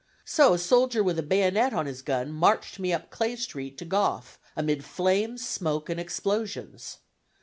So a soldier with a bayonet on his gun marched me up Clay Street to Gough amid flames, smoke, and explosions.